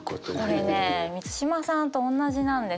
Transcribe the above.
これね満島さんとおんなじなんですよ。